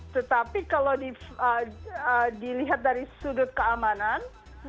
tetapi kalau dilihat dari sudut keamanan